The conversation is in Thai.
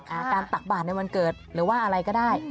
การตักบาดในวันเกิดหรือว่าอะไรก็ได้